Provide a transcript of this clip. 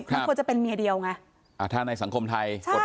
ครับมันควรจะเป็นเมียเดียวไงอ่าถ้าในสังคมไทยใช่